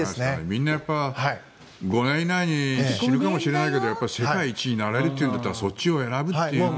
みんなやっぱり５年以内に死ぬかもしれないけど世界一になれるというんだったらそっちを選ぶという。